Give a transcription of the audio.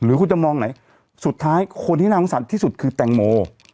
หรือคุณจะมองไหนสุดท้ายคนที่น่าภูมิสันที่สุดคือแต่งโม